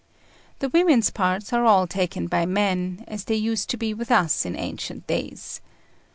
The women's parts are all taken by men, as they used to be with us in ancient days.